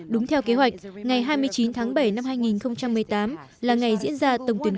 đúng theo kế hoạch ngày hai mươi chín tháng bảy năm hai nghìn một mươi tám là ngày diễn ra tổng tuyển cử